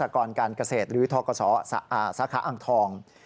ร่าศกรรณการเกษตรหรือธสศอ่างทอง